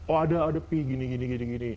oh ada ada pi gini gini